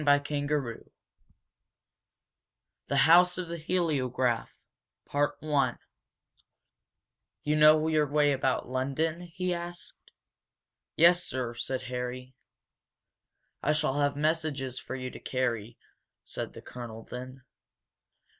CHAPTER IV THE HOUSE OF THE HELIOGRAPH "You know your way about London?" he asked. "Yes, sir," said Harry. "I shall have messages for you to carry," said the colonel, then.